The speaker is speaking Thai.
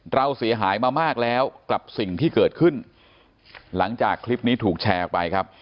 เราเสียหายมามากแล้วกับสิ่งที่เกิดขึ้นหลังจากคลิปนี้ถูกแชร์ออกไปครับ